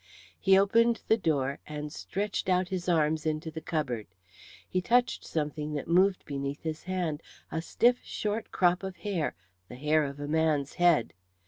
He opened the door and stretched out his arms into the cupboard. He touched something that moved beneath his hand, a stiff, short crop of hair, the hair of a man's head.